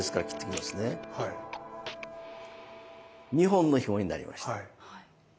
２本のひもになりました。